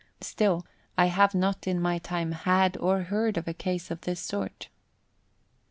Still, I have not in my time had or heard of a case of this sort.